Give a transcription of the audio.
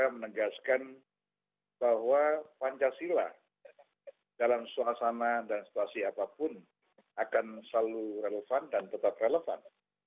saya menegaskan bahwa pancasila dalam suasana dan situasi apapun akan selalu relevan dan tetap relevan